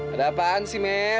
ada apaan sih mer